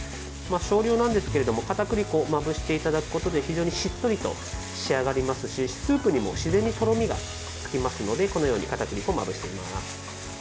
少量なんですけど、かたくり粉をまぶしていただくことで非常にしっとりと仕上がりますしスープにも自然にとろみがつきますのでこのように、かたくり粉をまぶしていきます。